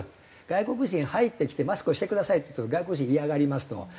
外国人入ってきて「マスクをしてください」って言うと外国人イヤがりますと。